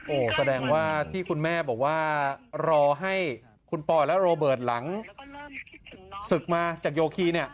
โอ้โหแสดงว่าที่คุณแม่บอกว่ารอให้คุณปอยและโรเบิร์ตหลังศึกมาจากโยคีเนี่ย